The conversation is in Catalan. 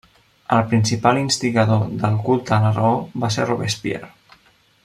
El principal instigador del culte a la Raó va ser Robespierre.